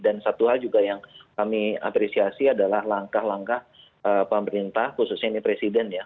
dan satu hal juga yang kami apresiasi adalah langkah langkah pemerintah khususnya ini presiden ya